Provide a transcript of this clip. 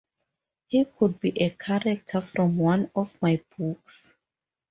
He could be a character from one of my books.